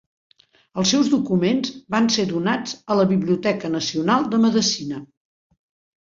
Els seus documents van ser donats a la Biblioteca Nacional de Medicina.